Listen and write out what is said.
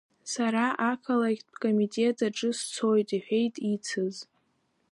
Сара ақалақьтә комитет аҿы сцоит, — иҳәеит ицыз.